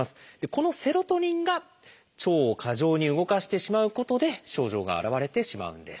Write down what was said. このセロトニンが腸を過剰に動かしてしまうことで症状が現れてしまうんです。